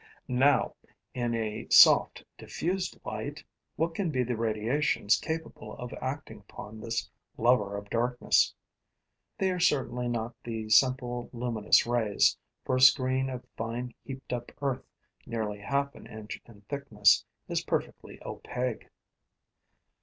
Now, in a soft diffused light, what can be the radiations capable of acting upon this lover of darkness? They are certainly not the simple luminous rays, for a screen of fine, heaped up earth, nearly half an inch in thickness, is perfectly opaque.